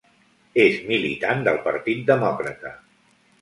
És militant del Partit Demòcrata.